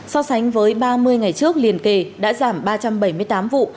so sánh với ba mươi ngày trước liên kề đã giảm ba trăm bảy mươi tám vụ